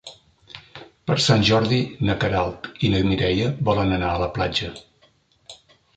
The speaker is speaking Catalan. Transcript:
Per Sant Jordi na Queralt i na Mireia volen anar a la platja.